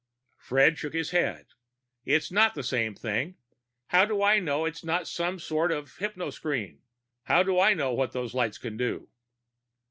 Fred shook his head. "It's not the same thing. How do I know it's not some sort of hypnoscreen? How do I know what those lights can do?"